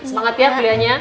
semangat ya kuliahnya